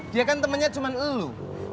dia kan temennya cuman elu